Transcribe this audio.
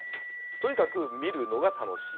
とにかく見るのが楽しい。